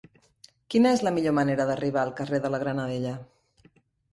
Quina és la millor manera d'arribar al carrer de la Granadella?